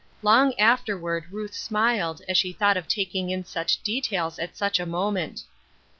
Long afterward Ruth smiled, as she thought of taking in such details at such a moment.